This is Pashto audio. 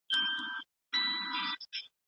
علم باید د عقل او منطق پر بنسټ وي.